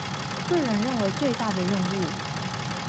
個人認為最大的任務